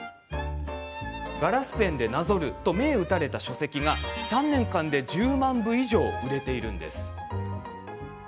ガラスペンでなぞると銘打たれた書籍が３年間で１０万部以上売れているんです。